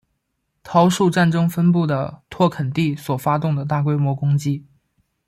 桃树战争分布的拓垦地所发动的大规模攻击。